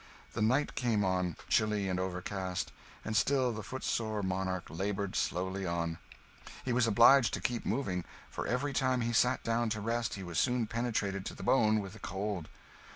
The night came on, chilly and overcast; and still the footsore monarch laboured slowly on. He was obliged to keep moving, for every time he sat down to rest he was soon penetrated to the bone with the cold.